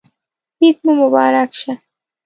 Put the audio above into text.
عید مو مبارک شه